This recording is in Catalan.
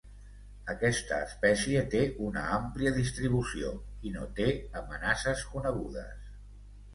Aquesta espècie té una àmplia distribució, i no té amenaces conegudes.